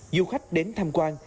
du khách đến tham quan